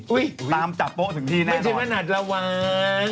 ตามจับโปถึงที่แน่นอนไม่ใช่มนัดระวัง